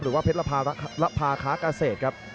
หรือว่าเพชรภาคะเกษตรครับ